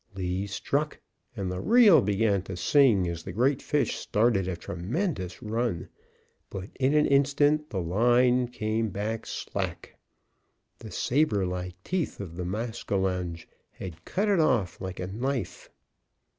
Lee struck, and the reel began to sing as the great fish started a tremendous run; but in an instant the line came back slack. The saber like teeth of the maskinonge had cut it off like a knife.